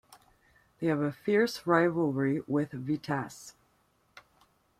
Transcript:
They have a fierce rivalry with Vitesse.